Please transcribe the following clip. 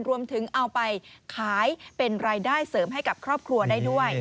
รวมไปถึงเอาไปขายเป็นรายได้เสริมให้กับครอบครัวได้ด้วย